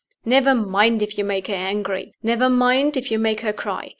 "Never mind if you make her angry; never mind if you make her cry.